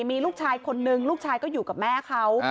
มีลูกชายคนนึงลูกชายก็อยู่กับแม่เขา